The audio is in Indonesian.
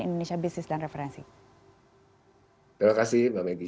indonesia bisnis dan referensi terima kasih mbak meggy